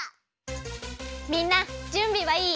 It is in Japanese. みんなじゅんびはいい？